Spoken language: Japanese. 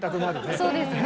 そうですね。